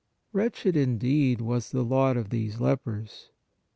Wretched, indeed, was the lot of these lepers.